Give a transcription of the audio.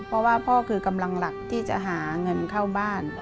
เพราะว่าพ่อคือกำลังหลักที่จะหาเงินเข้าบ้าน